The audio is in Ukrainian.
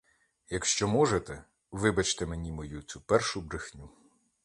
Якщо можете, — вибачте мені мою цю першу брехню.